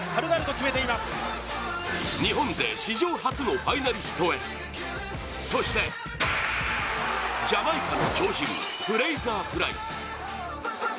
日本勢史上初のファイナリストへ、そして、ジャマイカの超人・フレイザープライス。